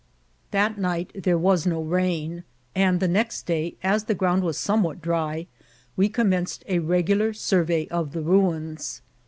That night there was no ram, and the next day, as the ground was somewhat dry, we commenced a regu lar survey of the ruins.